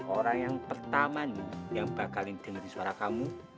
orang yang pertama nih yang bakalan dengerin suara kamu